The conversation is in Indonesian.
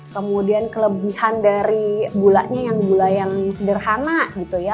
kemudian kelebihan dari gulanya yang gula yang sederhana gitu ya